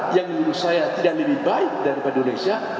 yang menurut saya tidak lebih baik daripada indonesia